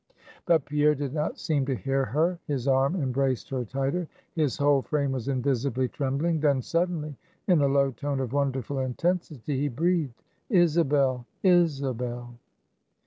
But Pierre did not seem to hear her; his arm embraced her tighter; his whole frame was invisibly trembling. Then suddenly in a low tone of wonderful intensity he breathed: "Isabel! Isabel!"